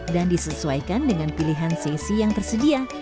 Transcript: dan disesuaikan dengan pilihan sesi yang tersedia